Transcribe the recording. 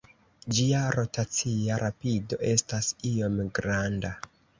Ĝia rotacia rapido estas iom granda.